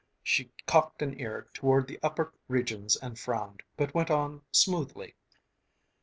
She cocked an ear toward the upper regions and frowned, but went on smoothly.